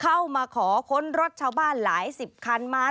เข้ามาขอค้นรถชาวบ้านหลายสิบคันมา